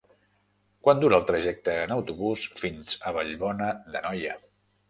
Quant dura el trajecte en autobús fins a Vallbona d'Anoia?